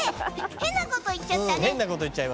変なこと言っちゃったね。